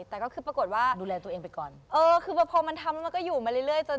แต่ก็คือปรากฏว่ามันทำมันก็อยู่เลย